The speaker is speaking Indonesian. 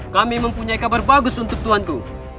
kami mempunyai kabar bagus untuk tuan ku